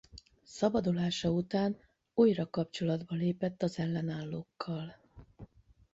Szabadulása után újra kapcsolatba lépett az ellenállókkal.